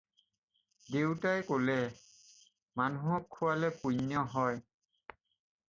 "দেউতাই কলে- "মানুহক খুৱালে পূণ্য হয়।"